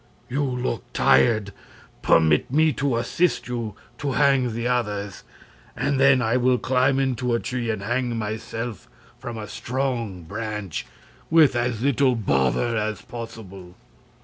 You look tired. Permit me to assist you to hang the others, and then I will climb into a tree and hang myself from a strong branch, with as little bother as possible."